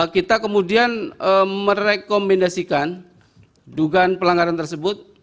kita kemudian merekomendasikan dugaan pelanggaran tersebut